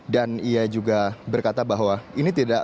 dan ia juga berkata bahwa